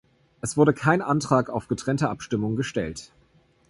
Es wurde kein Antrag auf getrennte Abstimmung gestellt.